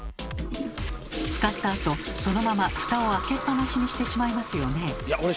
使ったあとそのままフタを開けっ放しにしてしまいますよね。